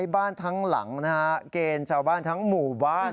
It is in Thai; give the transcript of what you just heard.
บ้านทั้งหลังนะฮะเกณฑ์ชาวบ้านทั้งหมู่บ้าน